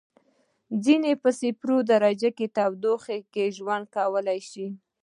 ځینې یې په صفر درجه تودوخې کې ژوند کولای شي.